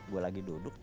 gue lagi duduk